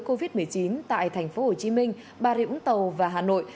covid một mươi chín tại thành phố hồ chí minh bà rịu úng tàu và hà nội